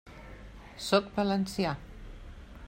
Sóc valencià.